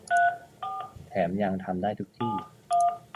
แถมยังทำได้ทุกที่